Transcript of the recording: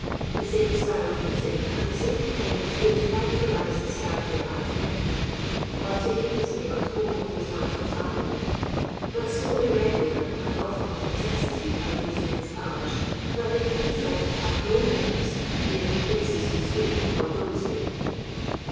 The same style of eating and the same kind of food characterize the scavager and nightman, when taking his meal at home with his wife or fimiily ; but so irreguhr, and often of necessity, are these men's hours, that they may be said to have no homes, merely places to sleep or dose in.